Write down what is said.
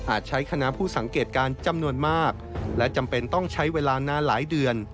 ใช้คณะผู้สังเกตการณ์จำนวนมากและจำเป็นต้องใช้เวลานานหลายเดือน